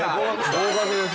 ◆合格です。